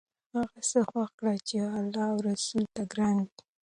هغه څه خوښ کړه چې الله او رسول ته ګران وي.